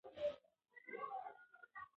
ماشومان باید د خپل کلي د جومات ساتنه وکړي.